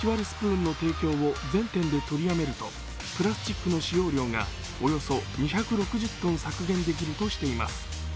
スプーンの提供を全店で取りやめるとプラスチックの使用利用がおよそ２６０ｔ削減できるとしています。